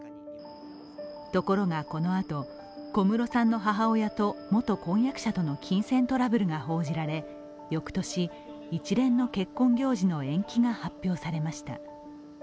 ところがこのあと小室さんの母親と元婚約者との金銭トラブルが報じられ、翌年、一連の結婚行事の延期が発表されました。